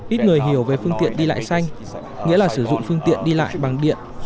ít người hiểu về phương tiện đi lại xanh nghĩa là sử dụng phương tiện đi lại bằng điện